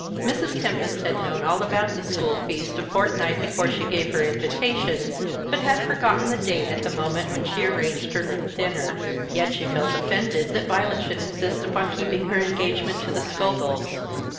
Mrs. Tempest had known all about the school feast a fortnight before she gave her invitations, but had forgotten the date at the moment when she arranged her little dinner. Yet she felt offended that Violet should insist upon keeping her engagement to the Scobels.